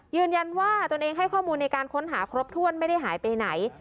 ยืนยันว่าตนเองให้ข้อมูลในการค้นหาครบถ้วนไม่ได้หายไปไหน